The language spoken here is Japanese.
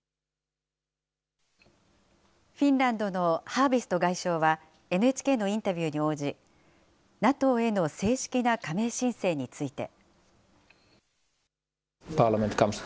ハービスト外相はＮＨＫのインタビューに応じ、ＮＡＴＯへの正式な加盟申請について。